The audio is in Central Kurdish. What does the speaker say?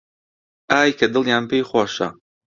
ئای کە دڵیان پێی خۆشە